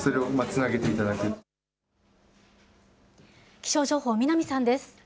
気象情報、南さんです。